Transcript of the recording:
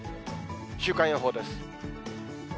週間予報です。